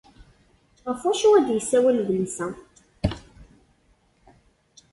Ɣef wacu ay d-yessawal wedlis-a?